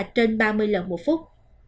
trên ba mươi lần một phút